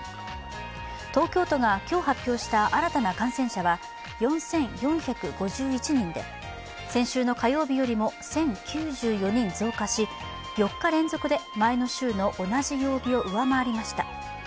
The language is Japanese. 東京都が今日発表した新たな感染者は、４４５１人で先週の火曜日よりも１０９４人増加し４日連続で前の週の同じ曜日を上回りました。